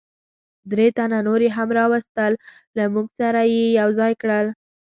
درې تنه نور یې هم را وستل، له موږ سره یې یو ځای کړل.